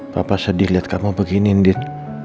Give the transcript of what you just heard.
papa sedih liat kamu begini andien